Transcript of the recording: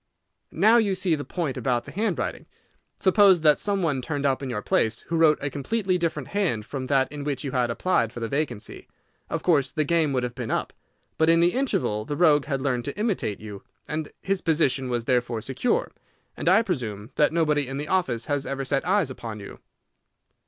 "Now you see the point about the handwriting. Suppose that some one turned up in your place who wrote a completely different hand from that in which you had applied for the vacancy, of course the game would have been up. But in the interval the rogue had learned to imitate you, and his position was therefore secure, as I presume that nobody in the office had ever set eyes upon you."